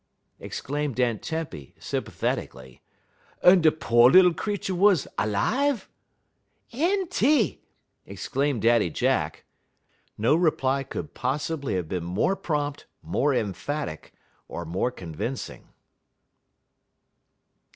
exclaimed Aunt Tempy, sympathetically. "Un de po' little creetur wuz 'live?" "Enty!" exclaimed Daddy Jack. No reply could possibly have been more prompt, more emphatic, or more convincing.